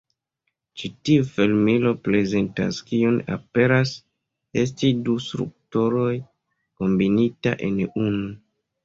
Ĉi tiu fermilo prezentas kion aperas esti du strukturoj kombinita en unu.